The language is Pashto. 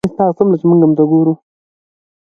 که موږ دا ټول شیان نه درلودل ستونزه نه وه